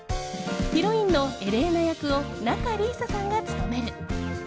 ヒロインのエレーナ役を仲里依紗さんが務める。